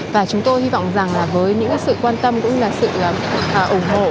và chúng tôi hy vọng rằng là với những sự quan tâm cũng như là sự ủng hộ